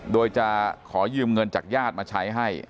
โดยจะขอยืมเงินจากญาติมาใช้ให้